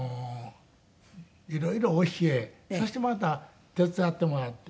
色々教えそしてまた手伝ってもらって。